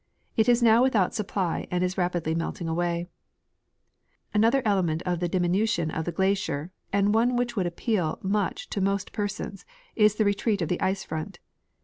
It is now without supply, and is rapidly melting awa5^ Another element of the diminution of the glacier, and one which would appeal much to most persons, is the retreat of the ice front.